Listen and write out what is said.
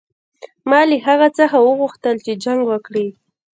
ما له هغه څخه وغوښتل چې جنګ وکړي.